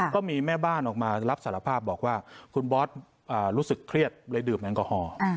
ก็มีแม่บ้านออกมารับสารภาพบอกว่าคุณบอสรู้สึกเครียดเลยดื่มแอลกอฮอล์